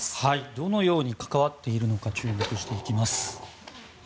どのように関わっているのか注目していきます。